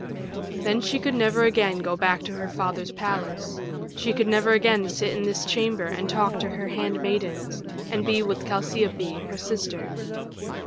Then she could never again go back to her father's palace, she could never again sit in this chamber and talk to her handmaidens, and be with Chalciope, her sister.